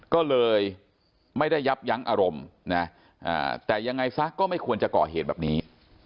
ก็เลยไม่ได้ยับยั้งอารมณ์นะแต่ยังไงซะก็ไม่ควรจะก่อเหตุแบบนี้